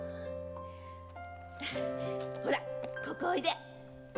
ほらここおいで。